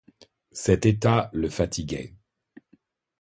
Cet état le fatiguait.